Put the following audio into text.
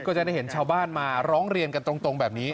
ก็จะได้เห็นชาวบ้านมาร้องเรียนกันตรงแบบนี้